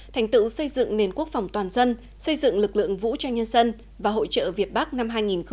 thành tựu xây dựng nền quốc phòng toàn dân xây dựng lực lượng vũ trang nhân dân và hội trợ việt bắc năm hai nghìn một mươi chín